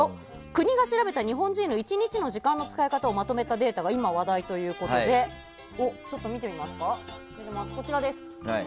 国が調べた日本人の１日の時間の使い方をまとめたデータが今話題ということでちょっと見てみますか。